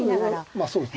まあそうですね。